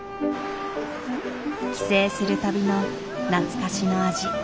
帰省するたびの懐かしの味。